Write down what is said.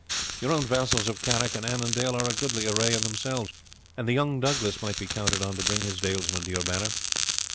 Your own vassals of Carrick and Annandale are a goodly array in themselves and the young Douglas might be counted on to bring his dalesmen to your banner.